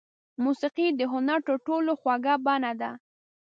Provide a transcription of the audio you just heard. موسیقي د هنر تر ټولو خوږه بڼه ده.